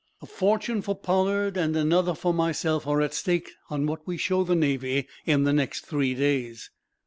A fortune for Pollard, and another for myself, are at stake on what we show the Navy in the next three days."